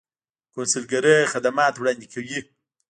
کونسلګرۍ خدمات وړاندې کوي